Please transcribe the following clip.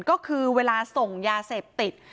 ก็คือเวลาส่งยาเสพติด